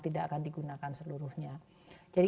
tidak akan digunakan seluruhnya jadi